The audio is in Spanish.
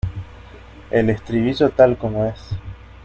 el estribillo tal como es.